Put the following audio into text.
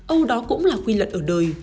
âu đó cũng là quy luật ở đời